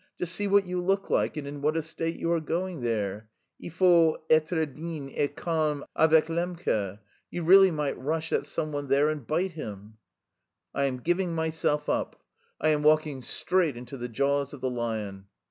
Just see what you look like and in what a state you are going there! Il faut être digne et calme avec Lembke. You really might rush at someone there and bite him." "I am giving myself up. I am walking straight into the jaws of the lion...."